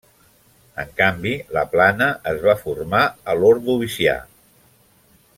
En canvi, la plana es va formar a l'ordovicià.